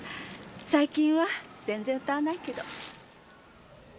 最近は全然歌わないけど。